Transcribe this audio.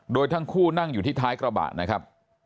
โดยทั้งคู่นั่งอยู่ที่ท้ายกระบะนะครับ